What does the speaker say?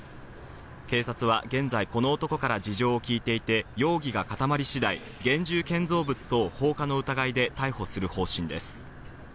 警察は現在この男から事情を聴いていて、容疑が固まり次第、現住建造物等放火の疑いで逮捕する方針です。